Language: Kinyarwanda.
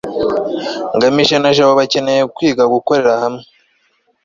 ngamije na jabo bakeneye kwiga gukorera hamwe